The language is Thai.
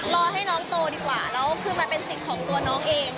รอให้น้องโตดีกว่าแล้วคือมันเป็นสิทธิ์ของตัวน้องเอง